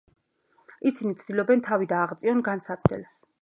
ისინი ცდილობენ თავი დააღწიონ განსაცდელს.